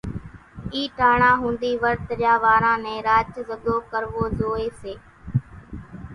اِي ٽاڻا ۿوڌي ورت ريا واران نين راچ زڳو ڪروو زوئي سي۔